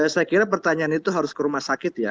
saya kira pertanyaan itu harus ke rumah sakit ya